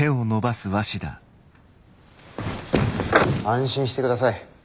安心してください。